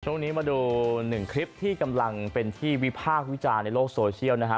ช่วงนี้มาดูหนึ่งคลิปที่กำลังเป็นที่วิพากษ์วิจารณ์ในโลกโซเชียลนะฮะ